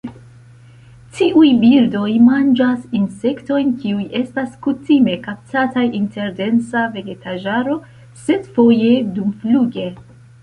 Tiuj birdoj manĝas insektojn, kiuj ests kutime kaptataj inter densa vegetaĵaro, sed foje dumfluge.